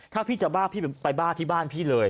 ถ้าพี่จะบ้าพี่ไปบ้าที่บ้านพี่เลย